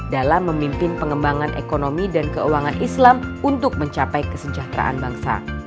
dalam memimpin pengembangan ekonomi dan keuangan islam untuk mencapai kesejahteraan bangsa